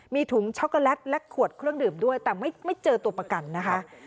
มีถุงช็อกโกแลตและขวดเครื่องดื่มด้วยแต่ไม่เจอตัวประกันนะคะ